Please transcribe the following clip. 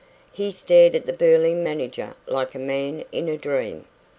He stared at the burly manager like a man in a dream.